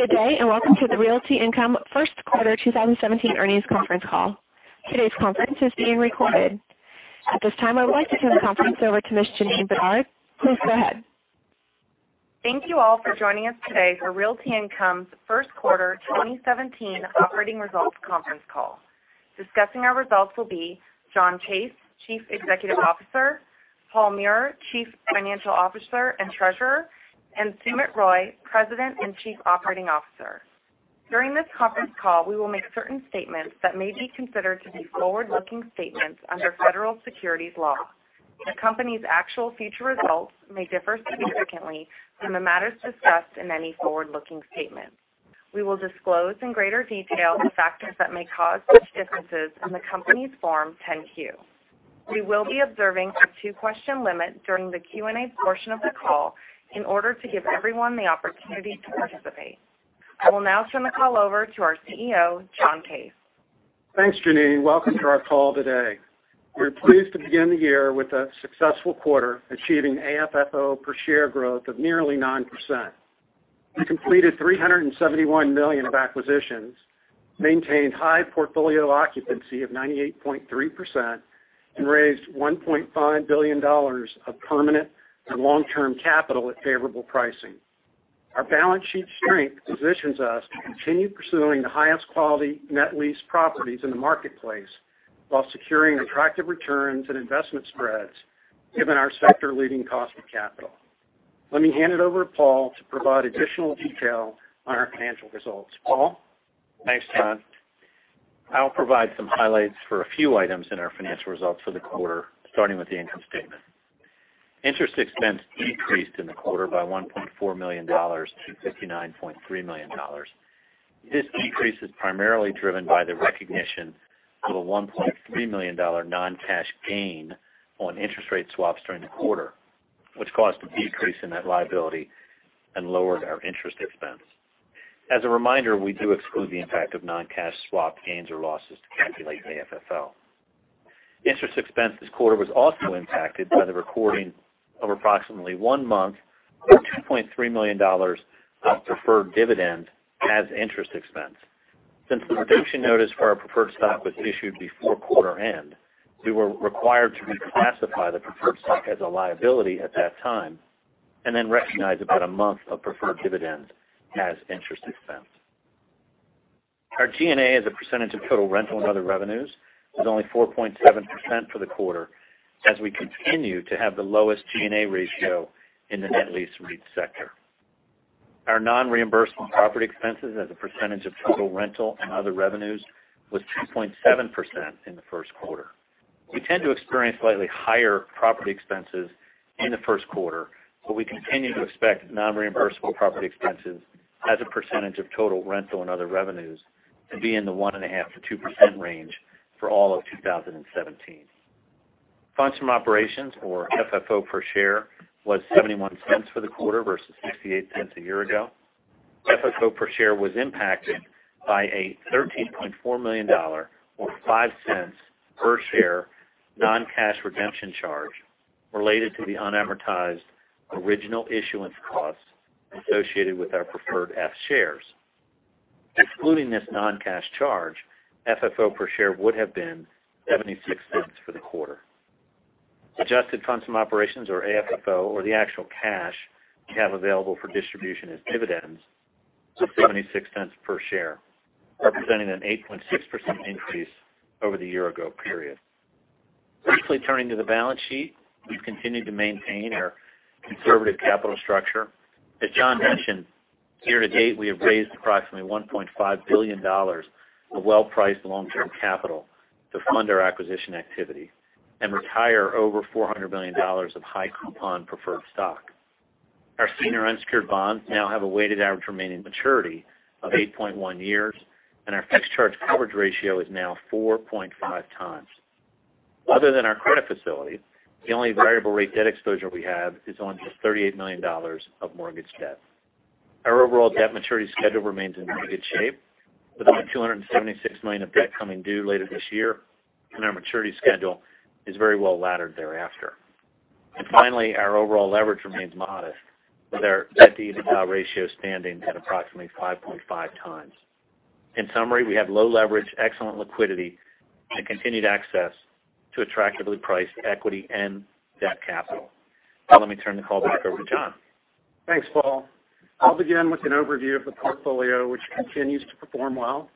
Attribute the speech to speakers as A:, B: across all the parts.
A: Good day, welcome to the Realty Income First Quarter 2017 Earnings Conference Call. Today's conference is being recorded. At this time, I would like to turn the conference over to Ms. Janeen Bedard. Please go ahead.
B: Thank you all for joining us today for Realty Income's First Quarter 2017 Operating Results Conference Call. Discussing our results will be John Case, Chief Executive Officer, Paul Meurer, Chief Financial Officer and Treasurer, and Sumit Roy, President and Chief Operating Officer. During this conference call, we will make certain statements that may be considered to be forward-looking statements under federal securities law. The company's actual future results may differ significantly from the matters discussed in any forward-looking statements. We will disclose in greater detail the factors that may cause such differences in the company's Form 10-Q. We will be observing a two-question limit during the Q&A portion of the call in order to give everyone the opportunity to participate. I will now turn the call over to our CEO, John Case.
C: Thanks, Janeen. Welcome to our call today. We're pleased to begin the year with a successful quarter, achieving AFFO per share growth of nearly 9%. We completed $371 million of acquisitions, maintained high portfolio occupancy of 98.3%, and raised $1.5 billion of permanent and long-term capital at favorable pricing. Our balance sheet strength positions us to continue pursuing the highest quality net lease properties in the marketplace while securing attractive returns and investment spreads, given our sector-leading cost of capital. Let me hand it over to Paul to provide additional detail on our financial results. Paul?
D: Thanks, John. I'll provide some highlights for a few items in our financial results for the quarter, starting with the income statement. Interest expense decreased in the quarter by $1.4 million to $59.3 million. This decrease is primarily driven by the recognition of a $1.3 million non-cash gain on interest rate swaps during the quarter, which caused a decrease in that liability and lowered our interest expense. As a reminder, we do exclude the impact of non-cash swap gains or losses to calculate AFFO. Interest expense this quarter was also impacted by the recording of approximately one month of $2.3 million of preferred dividend as interest expense. Since the redemption notice for our preferred stock was issued before quarter end, we were required to reclassify the preferred stock as a liability at that time, then recognize about a month of preferred dividend as interest expense. Our G&A as a percentage of total rental and other revenues was only 4.7% for the quarter, as we continue to have the lowest G&A ratio in the net lease REIT sector. Our non-reimbursable property expenses as a percentage of total rental and other revenues was 2.7% in the first quarter. We tend to experience slightly higher property expenses in the first quarter, but we continue to expect non-reimbursable property expenses as a percentage of total rental and other revenues to be in the one and a half to 2% range for all of 2017. Funds from operations, or FFO per share, was $0.71 for the quarter versus $0.68 a year ago. FFO per share was impacted by a $13.4 million, or $0.05 per share non-cash redemption charge related to the unamortized original issuance cost associated with our Class F preferred shares. Excluding this non-cash charge, FFO per share would have been $0.76 for the quarter. Adjusted funds from operations, or AFFO, or the actual cash we have available for distribution as dividends, was $0.76 per share, representing an 8.6% increase over the year-ago period. Briefly turning to the balance sheet. We've continued to maintain our conservative capital structure. As John mentioned, year-to-date, we have raised approximately $1.5 billion of well-priced long-term capital to fund our acquisition activity and retire over $400 million of high-coupon preferred stock. Our senior unsecured bonds now have a weighted average remaining maturity of 8.1 years, and our fixed charge coverage ratio is now 4.5x. Other than our credit facility, the only variable rate debt exposure we have is on just $38 million of mortgage debt. Our overall debt maturity schedule remains in very good shape, with about $276 million of debt coming due later this year, and our maturity schedule is very well-laddered thereafter. Finally, our overall leverage remains modest, with our debt-to-EBITDA ratio standing at approximately 5.5x. In summary, we have low leverage, excellent liquidity, and continued access to attractively priced equity and debt capital. Now let me turn the call back over to John.
C: Thanks, Paul. I'll begin with an overview of the portfolio, which continues to perform well.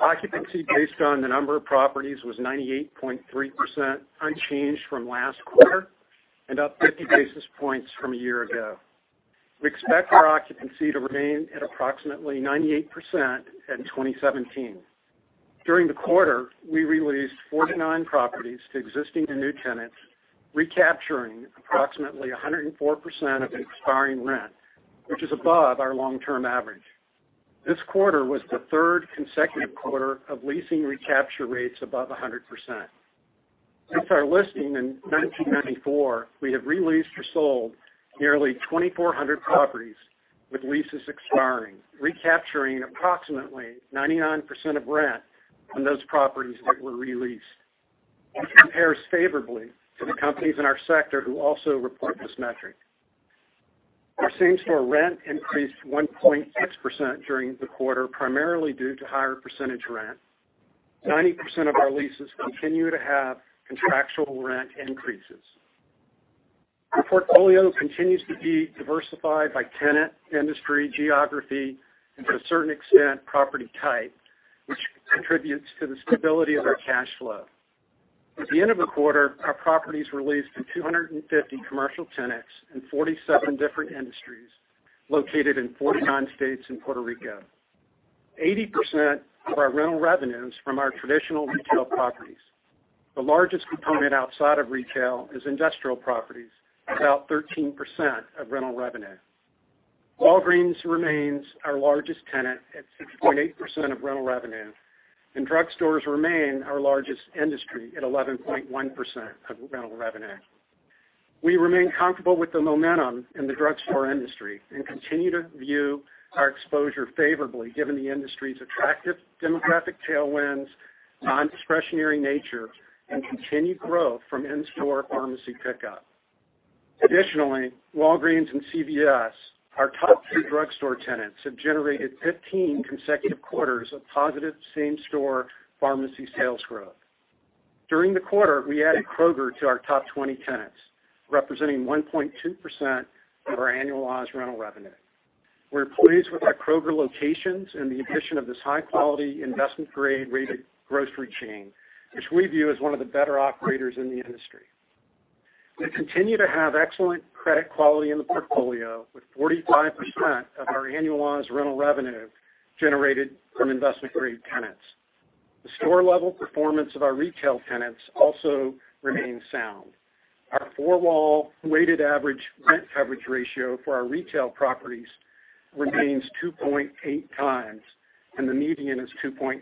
C: Occupancy based on the number of properties was 98.3%, unchanged from last quarter, and up 50 basis points from a year-ago. We expect our occupancy to remain at approximately 98% in 2017. During the quarter, we re-leased 49 properties to existing and new tenants, recapturing approximately 104% of expiring rent, which is above our long-term average. This quarter was the third consecutive quarter of leasing recapture rates above 100%. Since our listing in 1994, we have re-leased or sold nearly 2,400 properties with leases expiring, recapturing approximately 99% of rent on those properties that were re-leased. It compares favorably to the companies in our sector who also report this metric. Our same-store rent increased 1.6% during the quarter, primarily due to higher percentage rent. 90% of our leases continue to have contractual rent increases. Our portfolio continues to be diversified by tenant, industry, geography, and to a certain extent, property type, which contributes to the stability of our cash flow. At the end of the quarter, our properties were leased to 250 commercial tenants in 47 different industries, located in 49 states and Puerto Rico. 80% of our rental revenue is from our traditional retail properties. The largest component outside of retail is industrial properties, about 13% of rental revenue. Walgreens remains our largest tenant at 6.8% of rental revenue, and drugstores remain our largest industry at 11.1% of rental revenue. We remain comfortable with the momentum in the drugstore industry and continue to view our exposure favorably given the industry's attractive demographic tailwinds, non-discretionary nature, and continued growth from in-store pharmacy pickup. Additionally, Walgreens and CVS, our top two drugstore tenants, have generated 15 consecutive quarters of positive same-store pharmacy sales growth. During the quarter, we added Kroger to our top 20 tenants, representing 1.2% of our annualized rental revenue. We're pleased with our Kroger locations and the addition of this high-quality investment-grade rated grocery chain, which we view as one of the better operators in the industry. We continue to have excellent credit quality in the portfolio with 45% of our annualized rental revenue generated from investment-grade tenants. The store-level performance of our retail tenants also remains sound. Our four-wall weighted average rent coverage ratio for our retail properties remains 2.8x, and the median is 2.7x.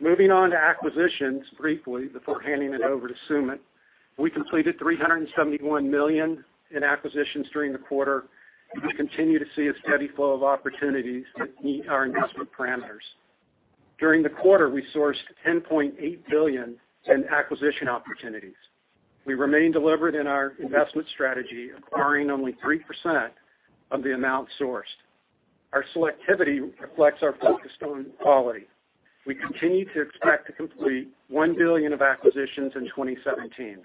C: Moving on to acquisitions briefly before handing it over to Sumit. We completed $371 million in acquisitions during the quarter and continue to see a steady flow of opportunities that meet our investment parameters. During the quarter, we sourced $10.8 billion in acquisition opportunities. We remain deliberate in our investment strategy, acquiring only 3% of the amount sourced. Our selectivity reflects our focus on quality. We continue to expect to complete $1 billion of acquisitions in 2017.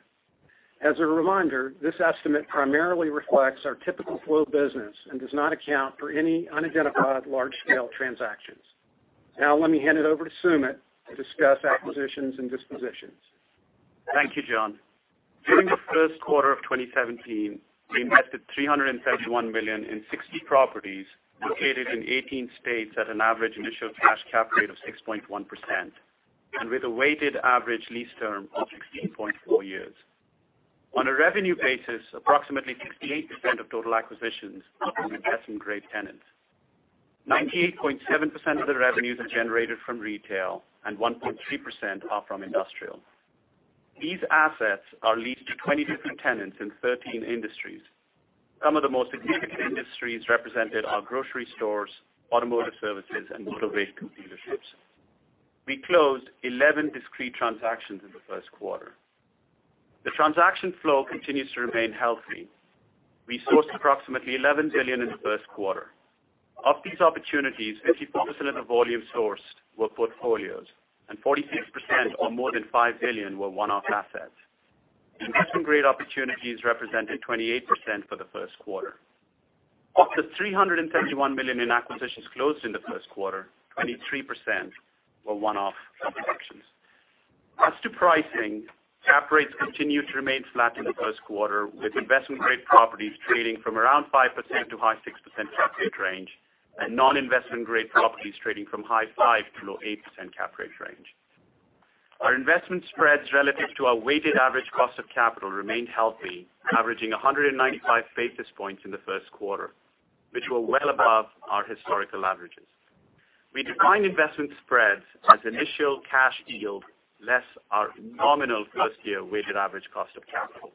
C: As a reminder, this estimate primarily reflects our typical flow of business and does not account for any unidentified large-scale transactions. Now let me hand it over to Sumit to discuss acquisitions and dispositions.
E: Thank you, John. During the first quarter of 2017, we invested $371 million in 60 properties located in 18 states at an average initial cash cap rate of 6.1%, and with a weighted average lease term of 16.4 years. On a revenue basis, approximately 68% of total acquisitions are from investment-grade tenants. 98.7% of the revenues are generated from retail and 1.3% are from industrial. These assets are leased to 20 different tenants in 13 industries. Some of the most significant industries represented are grocery stores, automotive services, and motor vehicle dealerships. We closed 11 discrete transactions in the first quarter. The transaction flow continues to remain healthy. We sourced approximately $11 billion in the first quarter. Of these opportunities, 54% of the volume sourced were portfolios, and 46%, or more than $5 billion, were one-off assets. Investment-grade opportunities represented 28% for the first quarter. Of the $371 million in acquisitions closed in the first quarter, 23% were one-off acquisitions. As to pricing, cap rates continued to remain flat in the first quarter, with investment-grade properties trading from around 5% to high 6% cap rate range, and non-investment grade properties trading from high 5% to low 8% cap rate range. Our investment spreads relative to our weighted average cost of capital remained healthy, averaging 195 basis points in the first quarter, which were well above our historical averages. We define investment spreads as initial cash yield less our nominal first-year weighted average cost of capital.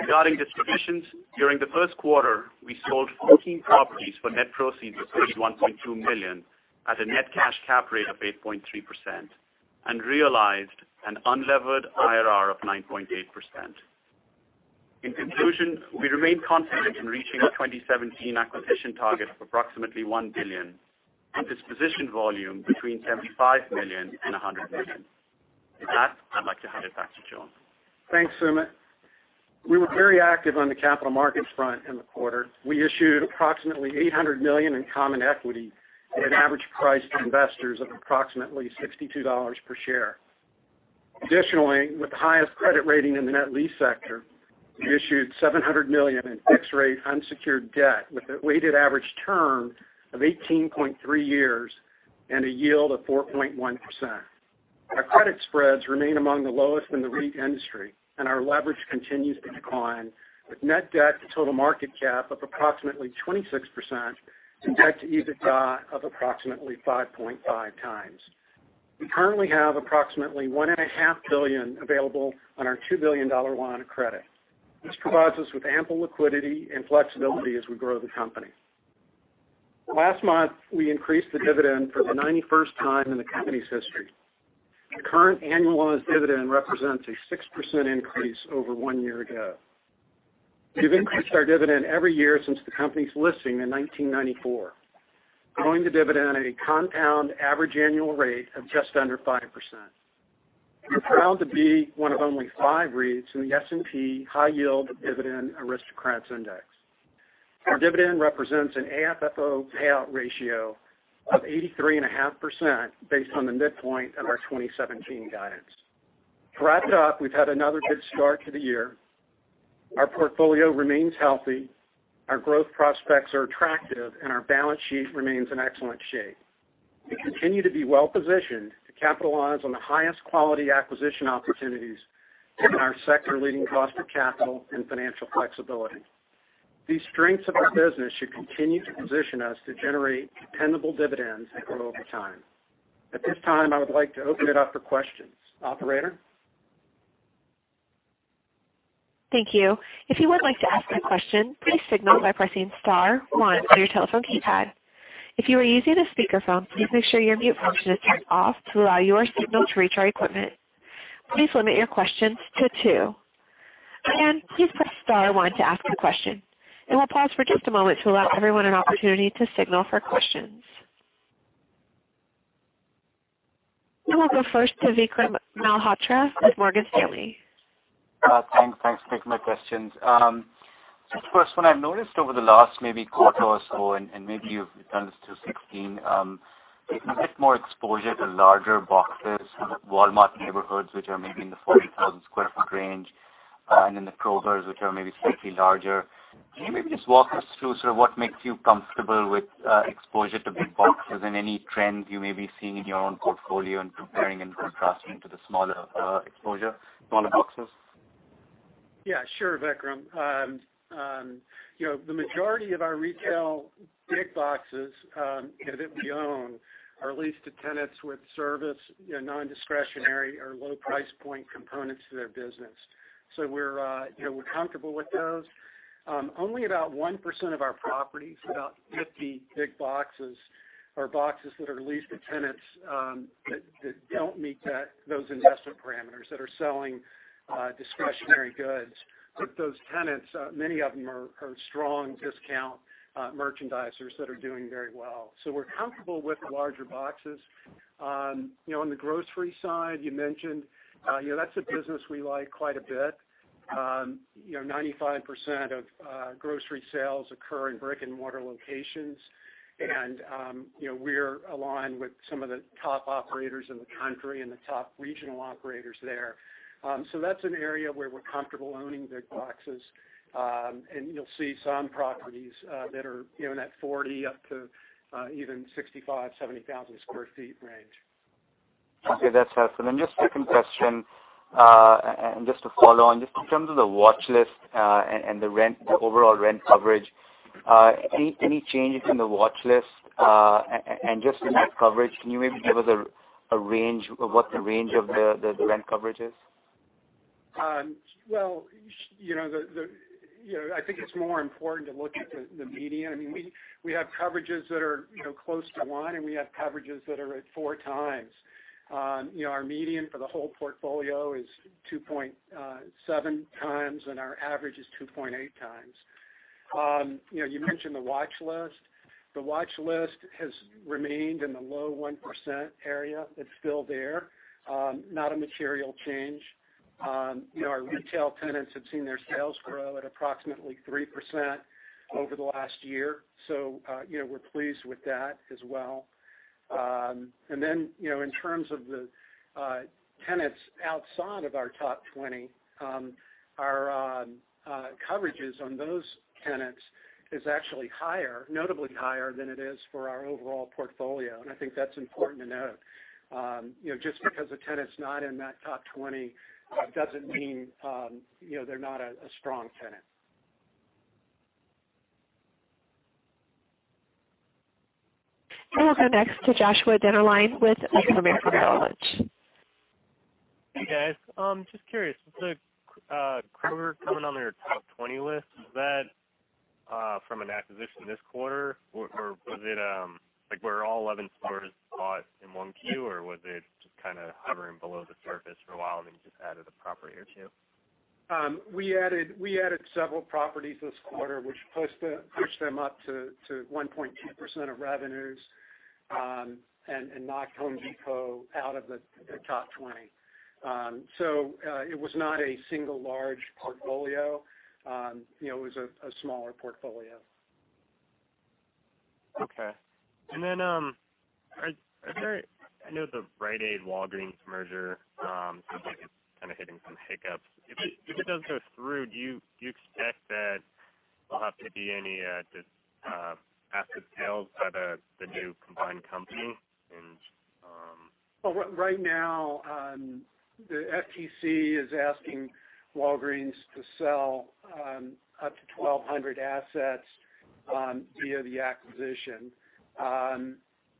E: Regarding dispositions, during the first quarter, we sold 14 properties for net proceeds of $31.2 million at a net cash cap rate of 8.3% and realized an unlevered IRR of 9.8%. In conclusion, we remain confident in reaching our 2017 acquisition target of approximately $1 billion and disposition volume between $75 million and $100 million. With that, I'd like to hand it back to John.
C: Thanks, Sumit. We were very active on the capital markets front in the quarter. We issued approximately $800 million in common equity at an average price to investors of approximately $62 per share. Additionally, with the highest credit rating in the net lease sector, we issued $700 million in fixed-rate unsecured debt with a weighted average term of 18.3 years and a yield of 4.1%. Our credit spreads remain among the lowest in the REIT industry, and our leverage continues to decline, with net debt to total market cap of approximately 26% and debt to EBITDA of approximately 5.5 times. We currently have approximately $1.5 billion available on our $2 billion line of credit. This provides us with ample liquidity and flexibility as we grow the company. Last month, we increased the dividend for the 91st time in the company's history. The current annualized dividend represents a 6% increase over one year ago. We've increased our dividend every year since the company's listing in 1994, growing the dividend at a compound average annual rate of just under 5%. We're proud to be one of only five REITs in the S&P High Yield Dividend Aristocrats Index. Our dividend represents an AFFO payout ratio of 83.5% based on the midpoint of our 2017 guidance. To wrap it up, we've had another good start to the year. Our portfolio remains healthy, our growth prospects are attractive, and our balance sheet remains in excellent shape. We continue to be well-positioned to capitalize on the highest quality acquisition opportunities given our sector-leading cost of capital and financial flexibility. These strengths of our business should continue to position us to generate dependable dividends that grow over time. At this time, I would like to open it up for questions. Operator?
A: Thank you. If you would like to ask a question, please signal by pressing star one on your telephone keypad. If you are using a speakerphone, please make sure your mute function is turned off to allow your signal to reach our equipment. Please limit your questions to two. Again, please press star one to ask a question. We'll pause for just a moment to allow everyone an opportunity to signal for questions. We'll go first to Vikram Malhotra with Morgan Stanley.
F: Thanks. Thanks for taking my questions. First one, I've noticed over the last maybe quarter or so, and maybe you've done this through 2016, a bit more exposure to larger boxes, Walmart neighborhoods which are maybe in the 40,000 sq ft range, and then the Krogers, which are maybe slightly larger. Can you maybe just walk us through sort of what makes you comfortable with exposure to big boxes and any trend you may be seeing in your own portfolio and comparing and contrasting to the smaller exposure, smaller boxes?
C: Yeah, sure, Vikram. The majority of our retail big boxes, that we own are leased to tenants with service, non-discretionary or low price point components to their business. We're comfortable with those. Only about 1% of our properties, about 50 big boxes, are boxes that are leased to tenants that don't meet those investment parameters, that are selling discretionary goods. Those tenants, many of them are strong discount merchandisers that are doing very well. We're comfortable with the larger boxes. On the grocery side, you mentioned that's a business we like quite a bit. 95% of grocery sales occur in brick-and-mortar locations. We're aligned with some of the top operators in the country and the top regional operators there. That's an area where we're comfortable owning big boxes. You'll see some properties that are in that 40,000 up to even 65,000, 70,000 sq ft range.
F: Okay. That's helpful. Just second question, and just to follow on, just in terms of the watch list, and the overall rent coverage, any changes in the watch list? Just in that coverage, can you maybe give us what the range of the rent coverage is?
C: Well, I think it's more important to look at the median. We have coverages that are close to one, and we have coverages that are at four times. Our median for the whole portfolio is 2.7x, and our average is 2.8x. You mentioned the watch list. The watch list has remained in the low 1% area. It's still there. Not a material change. Our retail tenants have seen their sales grow at approximately 3% over the last year, so we're pleased with that as well. In terms of the tenants outside of our top 20, our coverages on those tenants is actually higher, notably higher than it is for our overall portfolio. I think that's important to note. Just because a tenant's not in that top 20 doesn't mean they're not a strong tenant.
A: We'll go next to Joshua Dennerlein with BofA Merrill Lynch.
G: Hey, guys. Just curious, with the Kroger coming on your top 20 list, was that from an acquisition this quarter, or was it like were all 11 stores bought in 1Q, or was it just kind of hovering below the surface for a while, then just added a property or two?
C: We added several properties this quarter, which pushed them up to 1.2% of revenues, and knocked Home Depot out of the top 20. It was not a single large portfolio. It was a smaller portfolio.
G: Okay. Then I know the Rite Aid-Walgreens merger seems like it's kind of hitting some hiccups. If it does go through, do you expect that there'll have to be any asset sales by the new combined company?
C: Right now, the FTC is asking Walgreens to sell up to 1,200 assets via the acquisition.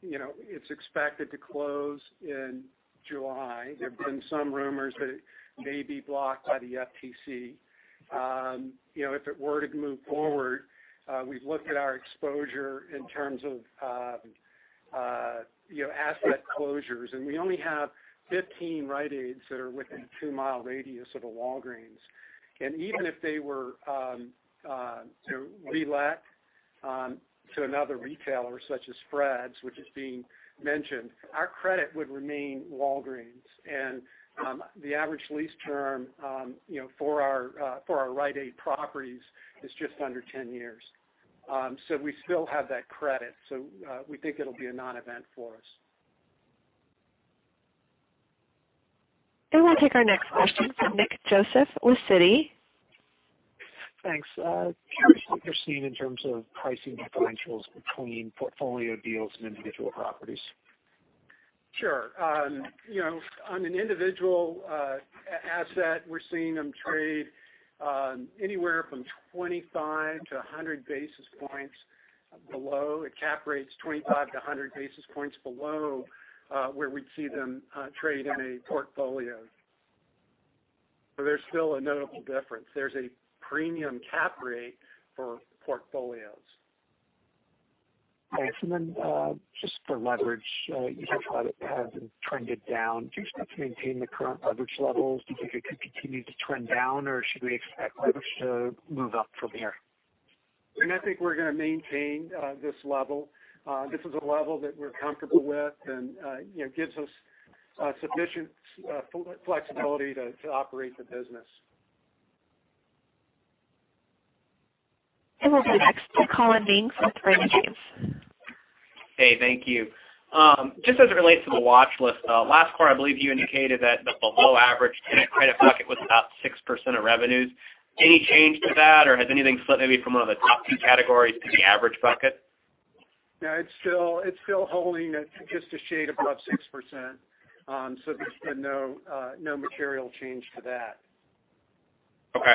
C: It's expected to close in July. There've been some rumors that it may be blocked by the FTC. If it were to move forward, we've looked at our exposure in terms of asset closures, we only have 15 Rite Aids that are within a two-mile radius of a Walgreens. Even if they were to relet to another retailer such as Fred's, which is being mentioned, our credit would remain Walgreens. The average lease term for our Rite Aid properties is just under 10 years. We still have that credit. We think it'll be a non-event for us.
A: We'll take our next question from Nick Joseph with Citi.
H: Thanks. Curious what you're seeing in terms of pricing differentials between portfolio deals and individual properties.
C: Sure. On an individual asset, we're seeing them trade anywhere from the cap rate's 25 to 100 basis points below where we'd see them trade in a portfolio. There's still a notable difference. There's a premium cap rate for portfolios.
H: Okay. Just for leverage, you said that it has been trended down. Do you expect to maintain the current leverage levels? Do you think it could continue to trend down, or should we expect leverage to move up from here?
C: Nick, I think we're going to maintain this level. This is a level that we're comfortable with and gives us sufficient flexibility to operate the business.
A: We'll go next to Collin Mings with Raymond James.
I: Hey, thank you. Just as it relates to the watchlist, last quarter, I believe you indicated that the below-average tenant credit bucket was about 6% of revenues. Any change to that, or has anything slipped maybe from one of the top two categories to the average bucket?
C: No, it's still holding at just a shade above 6%. There's been no material change to that.
I: Okay.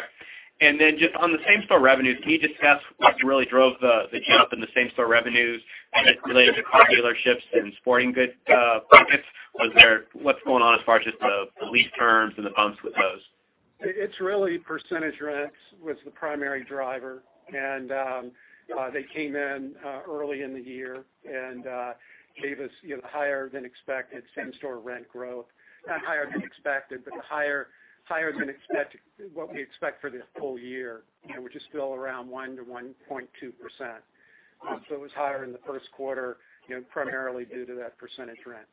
I: Just on the same-store revenues, can you discuss what really drove the jump in the same-store revenues, and it related to car dealerships and sporting good properties? What's going on as far as just the lease terms and the bumps with those?
C: It's really percentage rents was the primary driver. They came in early in the year and gave us higher than expected same-store rent growth. Not higher than expected, but higher than what we expect for this full year, which is still around 1% to 1.2%. It was higher in the first quarter, primarily due to that percentage rent.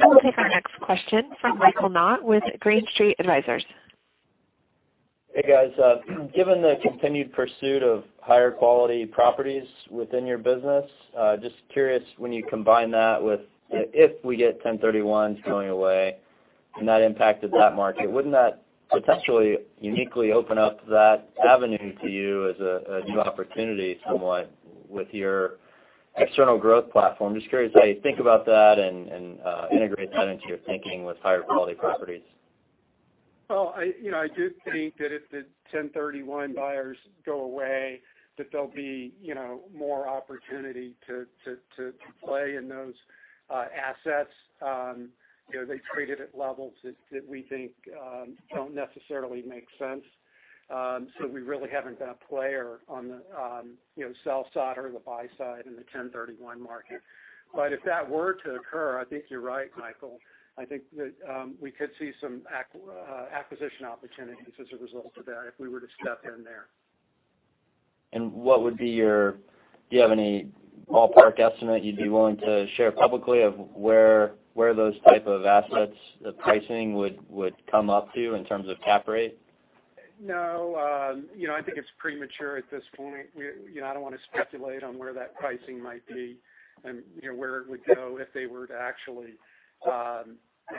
A: We'll take our next question from Michael Knott with Green Street Advisors.
J: Hey, guys. Given the continued pursuit of higher quality properties within your business, just curious when you combine that with if we get 1031s going away and that impacted that market, wouldn't that potentially uniquely open up that avenue to you as a new opportunity somewhat with your external growth platform? Just curious how you think about that and integrate that into your thinking with higher quality properties.
C: I do think that if the 1031 buyers go away, that there'll be more opportunity to play in those assets. They traded at levels that we think don't necessarily make sense. We really haven't been a player on the sell side or the buy side in the 1031 market. If that were to occur, I think you're right, Michael. I think that we could see some acquisition opportunities as a result of that if we were to step in there.
J: Do you have any ballpark estimate you'd be willing to share publicly of where those type of assets, the pricing would come up to in terms of cap rate?
C: No. I think it's premature at this point. I don't want to speculate on where that pricing might be and where it would go if they were to actually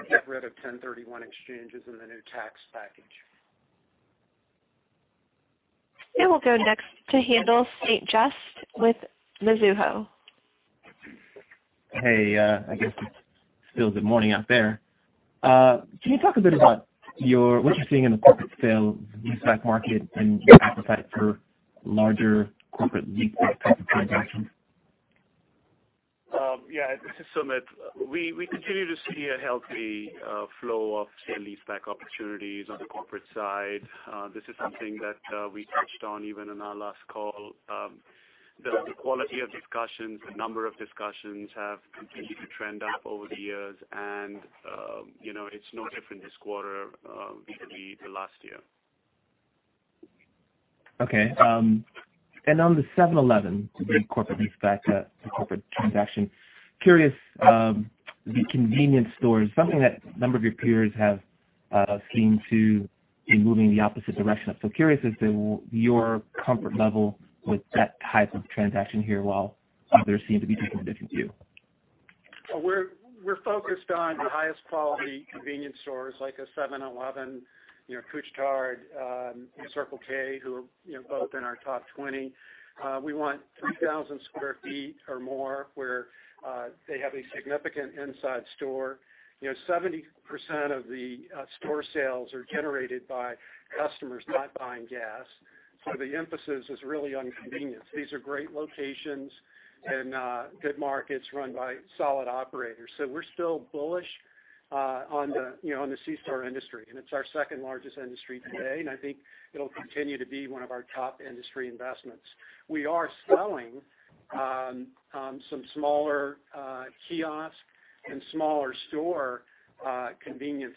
C: get rid of 1031 exchanges in the new tax package.
A: We'll go next to Haendel St. Juste with Mizuho.
K: Hey. I guess it's still good morning out there. Can you talk a bit about what you're seeing in the corporate sale-leaseback market and your appetite for larger corporate lease type of transactions?
E: Yeah. This is Sumit. We continue to see a healthy flow of sale-leaseback opportunities on the corporate side. This is something that we touched on even on our last call. The quality of discussions, the number of discussions have continued to trend up over the years and it's no different this quarter vis-à-vis to last year.
K: Okay. On the 7-Eleven, to bring corporate leaseback to corporate transaction, curious, the convenience stores, something that a number of your peers have seemed to be moving in the opposite direction of. Curious as to your comfort level with that type of transaction here while others seem to be taking a different view.
C: We're focused on the highest quality convenience stores like a 7-Eleven, Couche-Tard, Circle K, who are both in our top 20. We want 3,000 sq ft or more where they have a significant inside store. 70% of the store sales are generated by customers not buying gas. The emphasis is really on convenience. These are great locations and good markets run by solid operators. We're still bullish on the C-store industry. It's our second largest industry today, and I think it'll continue to be one of our top industry investments. We are selling some smaller kiosk and smaller convenience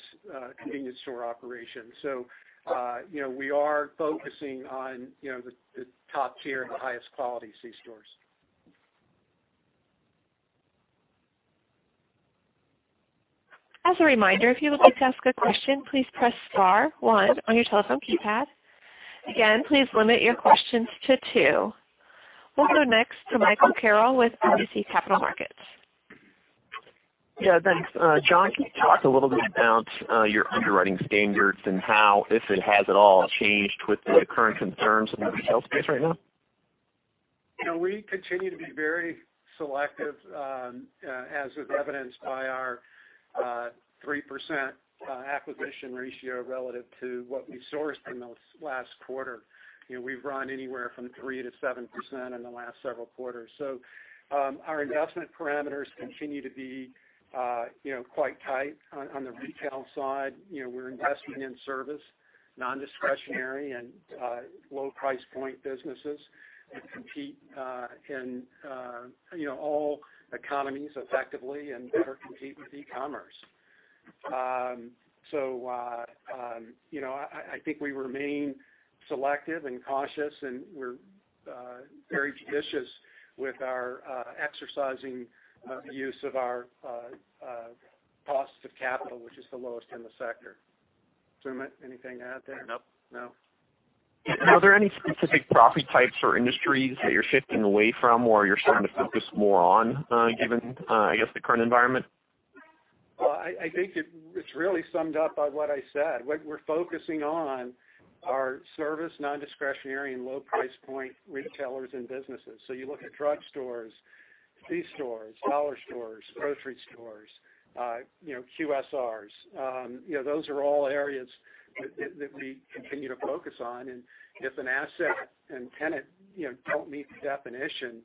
C: store operations. We are focusing on the top tier and the highest quality C-stores.
A: As a reminder, if you would like to ask a question, please press star one on your telephone keypad. Again, please limit your questions to two. We'll go next to Michael Carroll with RBC Capital Markets.
L: Yeah, thanks. John, can you talk a little bit about your underwriting standards and how, if it has at all, changed with the current concerns in the retail space right now?
C: We continue to be very selective, as is evidenced by our 3% acquisition ratio relative to what we sourced in the last quarter. We've run anywhere from 3% to 7% in the last several quarters. Our investment parameters continue to be quite tight on the retail side. We're investing in service, non-discretionary, and low price point businesses that compete in all economies effectively and better compete with e-commerce. I think we remain selective and cautious, and we're very judicious with our exercising use of our cost of capital, which is the lowest in the sector. Sumit, anything to add there?
E: Nope.
C: No.
L: Are there any specific property types or industries that you're shifting away from or you're starting to focus more on given, I guess, the current environment?
C: I think it's really summed up by what I said. What we're focusing on are service, non-discretionary, and low price point retailers and businesses. You look at drugstores, C stores, dollar stores, grocery stores, QSRs. Those are all areas that we continue to focus on. If an asset and tenant don't meet the definition,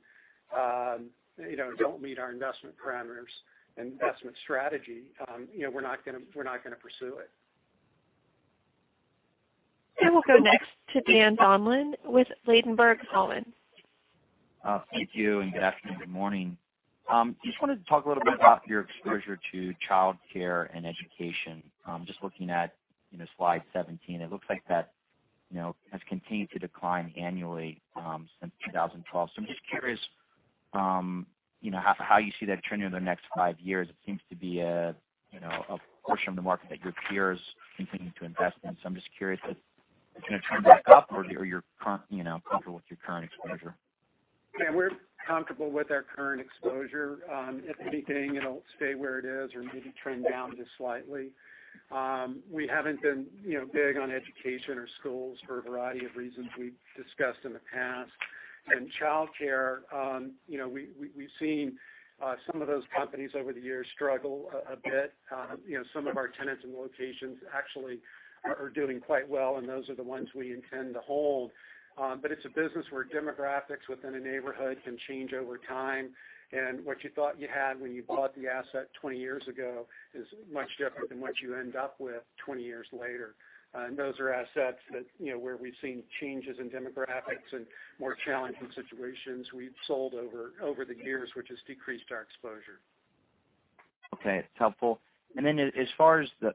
C: don't meet our investment parameters and investment strategy, we're not going to pursue it.
A: We'll go next to Dan Donlan with Ladenburg Thalmann.
M: Thank you, and good afternoon, good morning. Just wanted to talk a little bit about your exposure to childcare and education. Just looking at Slide 17, it looks like that has continued to decline annually since 2012. I'm just curious how you see that trending in the next five years. It seems to be a portion of the market that your peers continue to invest in. I'm just curious if it's going to trend back up or you're comfortable with your current exposure?
C: Dan, we're comfortable with our current exposure. If anything, it'll stay where it is or maybe trend down just slightly. We haven't been big on education or schools for a variety of reasons we've discussed in the past. Childcare, we've seen some of those companies over the years struggle a bit. Some of our tenants and locations actually are doing quite well, and those are the ones we intend to hold. It's a business where demographics within a neighborhood can change over time, and what you thought you had when you bought the asset 20 years ago is much different than what you end up with 20 years later. Those are assets where we've seen changes in demographics and more challenging situations we've sold over the years, which has decreased our exposure.
M: Okay. That's helpful. As far as the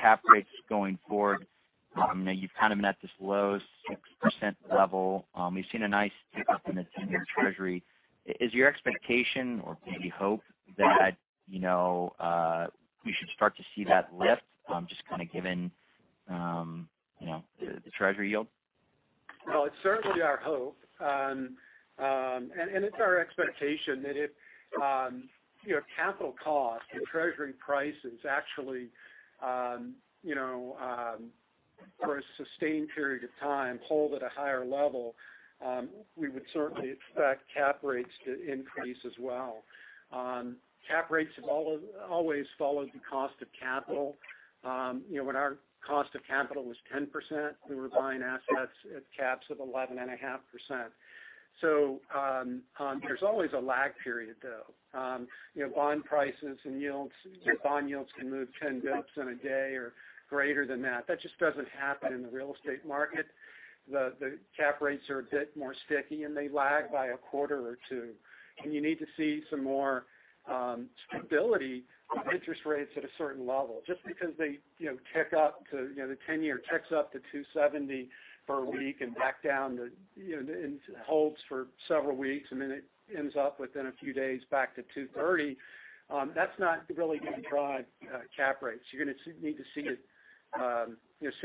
M: cap rates going forward, you've kind of met this low 6% level. We've seen a nice tick up in the 10-year Treasury. Is your expectation or maybe hope that we should start to see that lift, just kind of given the Treasury yield?
C: Well, it's certainly our hope. It's our expectation that if capital cost and Treasury prices actually, for a sustained period of time, hold at a higher level, we would certainly expect cap rates to increase as well. Cap rates have always followed the cost of capital. When our cost of capital was 10%, we were buying assets at caps of 11.5%. There's always a lag period, though. Bond prices and yields, bond yields can move 10 basis points in a day or greater than that. That just doesn't happen in the real estate market. The cap rates are a bit more sticky, and they lag by a quarter or two. You need to see some more stability of interest rates at a certain level. Just because the 10-year ticks up to 270 for a week and back down and holds for several weeks, and then it ends up within a few days back to 230, that's not really going to drive cap rates. You're going to need to see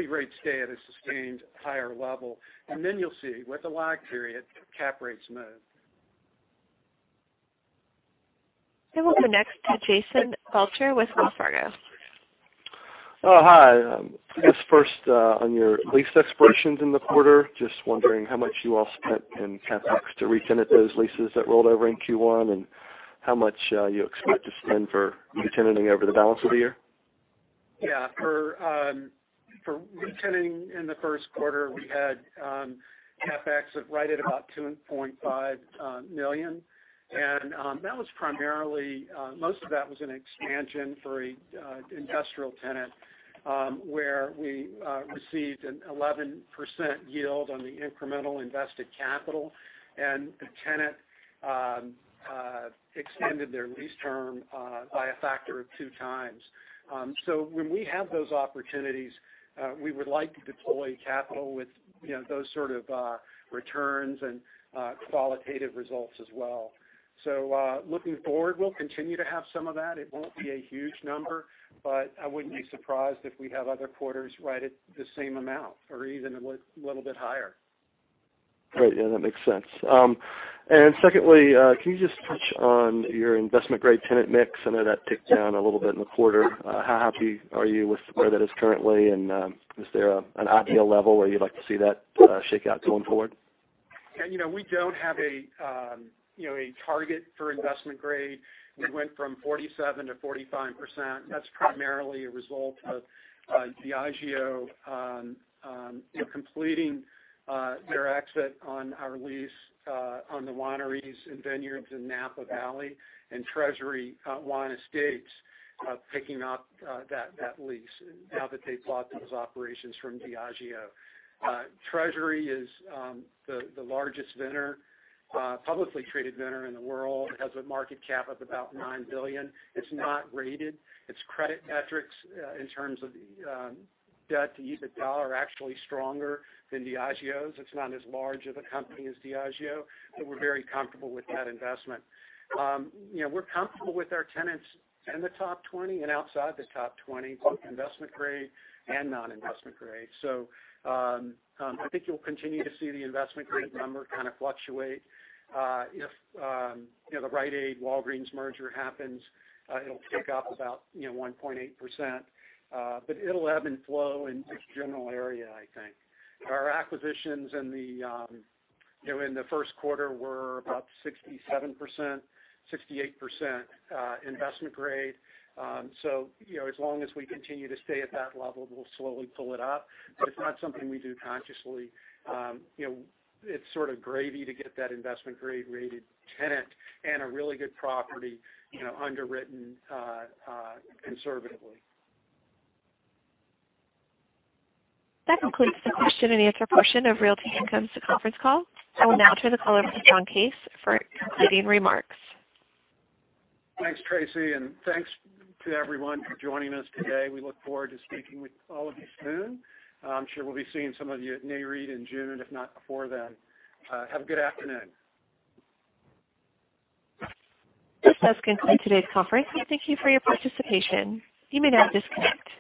C: rates stay at a sustained higher level. You'll see, with a lag period, cap rates move.
A: We'll go next to Jason Belcher with Wells Fargo.
N: Oh, hi. I guess first, on your lease expirations in the quarter, just wondering how much you all spent in CapEx to retenant those leases that rolled over in Q1 and how much you expect to spend for retenanting over the balance of the year?
C: Yeah. For retenanting in the first quarter, we had CapEx right at about $2.5 million. Most of that was an expansion for an industrial tenant, where we received an 11% yield on the incremental invested capital, and the tenant extended their lease term by a factor of two times. When we have those opportunities, we would like to deploy capital with those sort of returns and qualitative results as well. Looking forward, we'll continue to have some of that. It won't be a huge number, but I wouldn't be surprised if we have other quarters right at the same amount or even a little bit higher.
N: Great. Yeah, that makes sense. Secondly, can you just touch on your investment-grade tenant mix? I know that ticked down a little bit in the quarter. How happy are you with where that is currently, and is there an ideal level where you'd like to see that shake out going forward?
C: Yeah. We don't have a target for investment grade. We went from 47% to 45%. That's primarily a result of Diageo completing their exit on our lease on the wineries and vineyards in Napa Valley, Treasury Wine Estates picking up that lease now that they bought those operations from Diageo. Treasury is the largest publicly traded vintner in the world. It has a market cap of about $9 billion. It's not rated. Its credit metrics in terms of debt to EBITDA are actually stronger than Diageo's. It's not as large of a company as Diageo, but we're very comfortable with that investment. We're comfortable with our tenants in the top 20 and outside the top 20, both investment-grade and non-investment grade. I think you'll continue to see the investment-grade number kind of fluctuate. If the Rite Aid-Walgreens merger happens, it'll tick up about 1.8%, but it'll ebb and flow in this general area, I think. Our acquisitions in the first quarter were about 67%, 68% investment grade. As long as we continue to stay at that level, we'll slowly pull it up, but it's not something we do consciously. It's sort of gravy to get that investment-grade rated tenant and a really good property underwritten conservatively.
A: That concludes the question-and-answer portion of Realty Income's conference call. I will now turn the call over to John Case for concluding remarks.
C: Thanks, Tracy, thanks to everyone for joining us today. We look forward to speaking with all of you soon. I'm sure we'll be seeing some of you at Nareit in June, if not before then. Have a good afternoon.
A: This does conclude today's conference. Thank you for your participation. You may now disconnect.